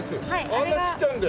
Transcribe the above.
あんなちっちゃいので？